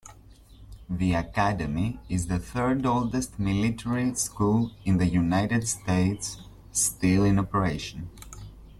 The Academy is the third-oldest military school in the United States still in operation.